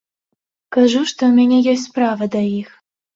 Кажу, што ў мяне ёсць справа да іх.